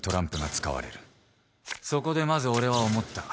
そこでまず俺は思った。